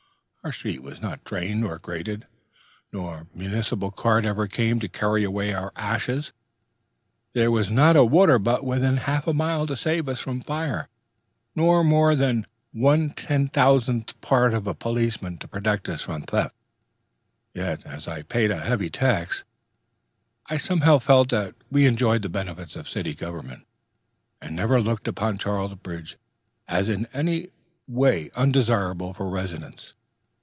Our street was not drained nor graded; no municipal cart ever came to carry away our ashes; there was not a water butt within half a mile to save us from fire, nor more than the one thousandth part of a policeman to protect us from theft. Yet, as I paid a heavy tax, I somehow felt that we enjoyed the benefits of city government, and never looked upon Charlesbridge as in any way undesirable for residence.